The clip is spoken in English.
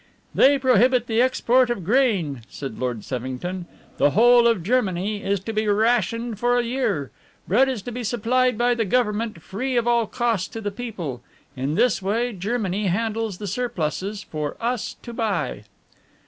"They prohibit the export of grain," said Lord Sevington, "the whole of Germany is to be rationed for a year, bread is to be supplied by the Government free of all cost to the people; in this way Germany handles the surpluses for us to buy."